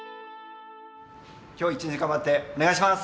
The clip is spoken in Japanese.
今日一日頑張ってお願いします！